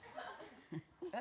えっ？